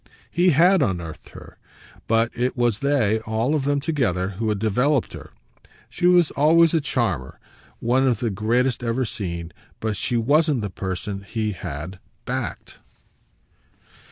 He HAD unearthed her, but it was they, all of them together, who had developed her. She was always a charmer, one of the greatest ever seen, but she wasn't the person he had "backed."